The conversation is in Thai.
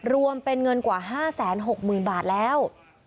รวมเป็นเงินกว่า๕๖๐๐๐บาทแล้ว